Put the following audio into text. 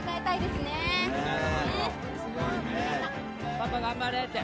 パパ頑張れって。